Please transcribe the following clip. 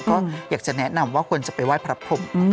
ก็อยากจะแนะนำว่าควรจะไปว่ายพระรับภพม